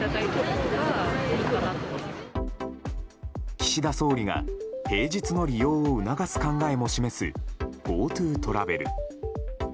岸田総理が平日の利用を促す考えも示すＧｏＴｏトラベル。